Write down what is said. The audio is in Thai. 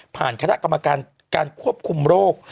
คณะกรรมการการควบคุมโรค